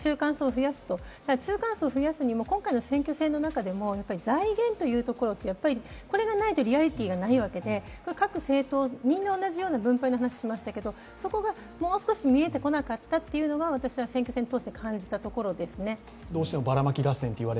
中間層を増やすにも今回の選挙戦の中でも財源というところこれがないとリアリティーがないわけで各政党、みんな同じような分配の話をしましたけどそこがもう少し見えてこなかったというのが私は選挙戦通して感じたところですね。